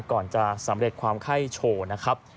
ก่อนจะสำเร็จความไข้โชว์นะครับ